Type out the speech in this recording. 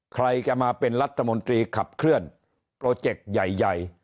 ใครจะมาเป็นรัฐมนตรีขับเคลื่อนโปรเจกต์ใหญ่